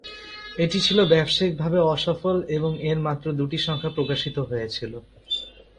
এটি ছিল ব্যবসায়িক ভাবে অসফল এবং এর মাত্র দুটি সংখ্যা প্রকাশিত হয়েছিল।